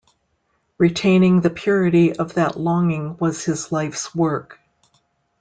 Retaining the purity of that longing was his life's work.